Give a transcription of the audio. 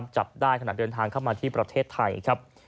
จับได้ขณะเดินทางเข้ามาที่ประเทศไทยครับ